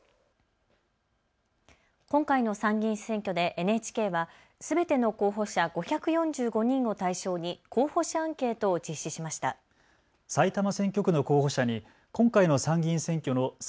今回の参議院選挙でＮＨＫはすべての候補者５４５人を対象に候補者アンケートを実施しました。